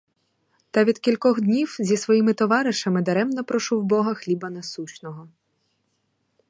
Та від кількох днів зі своїми товаришами даремно прошу в бога хліба насущного.